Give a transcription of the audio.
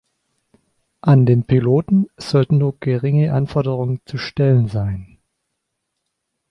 An den Piloten sollten nur geringe Anforderungen zu stellen sein.